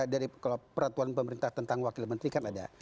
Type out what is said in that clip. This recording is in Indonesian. dari kalau peraturan pemerintah tentang wakil menteri kan ada